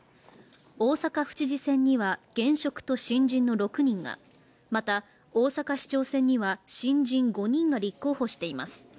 大阪府知事選には現職と新人の６人がまた大阪市長選には新人５人が立候補しています。